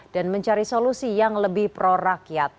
dan mencari solusi yang lebih pro rakyat